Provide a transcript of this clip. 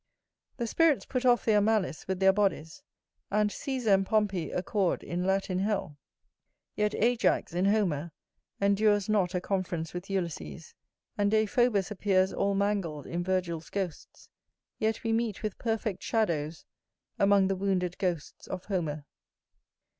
The spirits put off their malice with their bodies, and Cæsar and Pompey accord in Latin hell; yet Ajax, in Homer, endures not a conference with Ulysses; and Deiphobus appears all mangled in Virgil's ghosts, yet we meet with perfect shadows among the wounded ghosts of Homer.